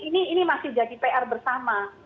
ini masih jadi pr bersama